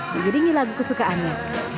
diiringi lagu kesukaannya